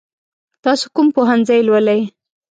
تاسو کوم پوهنځی لولئ؟